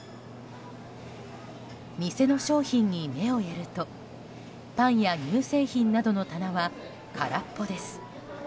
店の商品に目をやるとパンや乳製品などの棚は空っぽです。